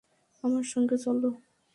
আমার সঙ্গে চলো।